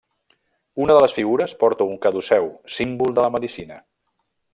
Una de les figures porta un caduceu, símbol de la medicina.